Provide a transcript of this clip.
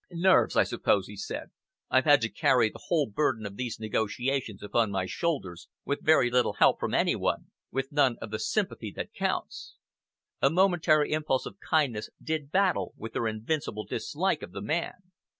"Nerves, I suppose," he said. "I've had to carry the whole burden of these negotiations upon my shoulders, with very little help from any one, with none of the sympathy that counts." A momentary impulse of kindness did battle with her invincible dislike of the man.